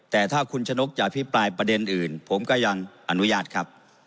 แต่ถ้าคุณชนกจะอภิปรายประเด็นอื่นผมก็ยังอนุญาตครับ